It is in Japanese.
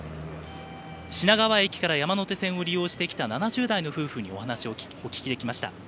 品川駅から山手線を利用してきた７０代の夫婦にお話をお聞きできました。